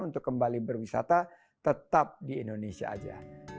untuk kembali berwisata tetap di indonesia saja